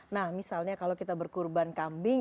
nah misalnya kalau kita berkurban kambing